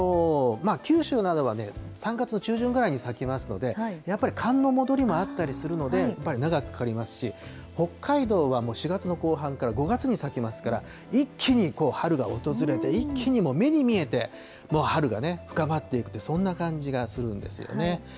九州などはね、３月の中旬ぐらいに咲きますので、やっぱり寒の戻りもあったりするので、やっぱり長くかかりますし、北海道はもう４月の後半から５月に咲きますから、一気に春が訪れて、一気にもう、目に見えてもう春が深まっていくと、そんな感じがするんですよね。